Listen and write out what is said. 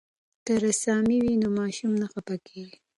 که رسامي وي نو ماشوم نه خفه کیږي.